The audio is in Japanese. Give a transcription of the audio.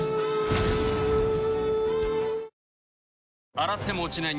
洗っても落ちない